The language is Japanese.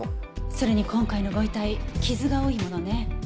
それに今回のご遺体傷が多いものね。